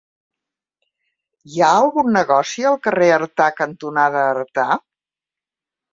Hi ha algun negoci al carrer Artà cantonada Artà?